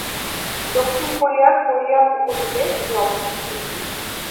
দক্ষিণ কোরিয়ার কোরিয়ান উপদ্বীপে এটি অবস্থিত।